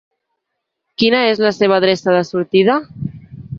Quina és la seva adreça de sortida?